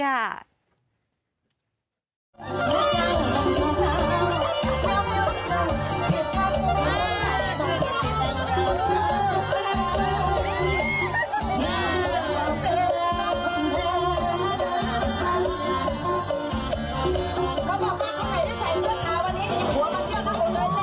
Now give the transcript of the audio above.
เขาบอกว่าคนไทยที่ใส่เสื้อเท้าวันนี้มีหัวมาเที่ยวทั้งหมดเลยใช่ไหม